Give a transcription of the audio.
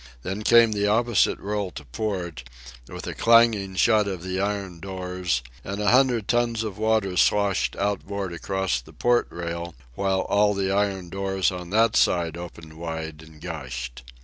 Then came the opposite roll to port, with a clanging shut of the iron doors; and a hundred tons of sea sloshed outboard across the port rail, while all the iron doors on that side opened wide and gushed.